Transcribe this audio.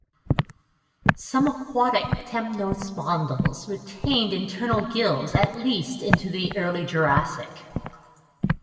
Some aquatic temnospondyls retained internal gills at least into the early Jurassic.